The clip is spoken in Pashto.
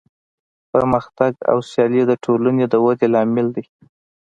پرمختګ او سیالي د ټولنې د ودې لامل دی.